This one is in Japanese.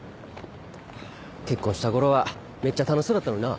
結婚したころはめっちゃ楽しそうだったのにな。